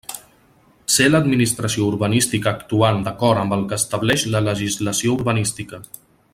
Ser l'Administració urbanística actuant d'acord amb el que estableix la legislació urbanística.